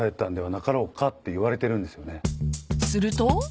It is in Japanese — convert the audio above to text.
［すると］